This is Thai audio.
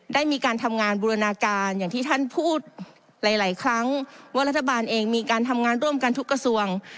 ได้มีการทำงานบูรณาการอย่างที่ท่านพูดหลายครั้งว่ารัฐบาลเองมีการทำงานร่วมกันทุกกระทรวง